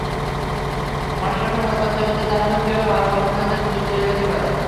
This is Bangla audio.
মাশরাফি মূলত তরুণদের জানাবেন, কীভাবে ভালো কর্মসংস্থানের সুযোগ তৈরি হতে পারে।